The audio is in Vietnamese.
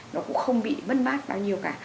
nó cũng không bị bất bát bao nhiêu cả